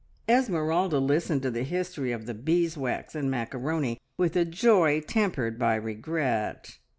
Esmeralda listened to the history of the beeswax and macaroni with a joy tempered by regret.